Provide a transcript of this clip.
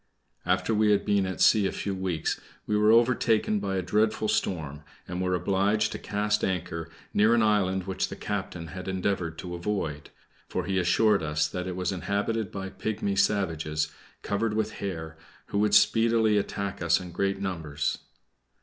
After we had been at sea a few weeks, we were overtaken by a dreadful storm, and were obliged to cast anchor near an island which the captain had endeavored to avoid; for he assured us that it was inhabited by pigmy savages, covered with hair, who would speedily attack us in great numbers.